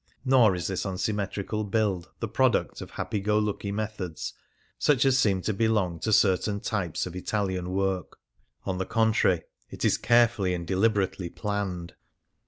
Nor is this unsymmetrical build the product of happy go lucky methods such as seem to belong to certain types of Italian work ; on the contrary, it is carefully and deliberately planned.